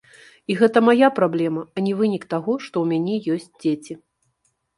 І гэта мая праблема, а не вынік таго, што ў мяне ёсць дзеці.